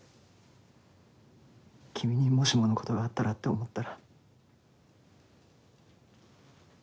君にもしもの事があったらって思ったら。